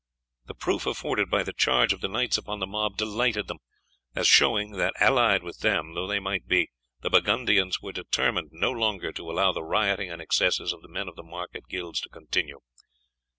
The proof afforded by the charge of the knights upon the mob delighted them, as showing that, allied with them though they might be, the Burgundians were determined no longer to allow the rioting and excesses of the men of the market guilds to continue.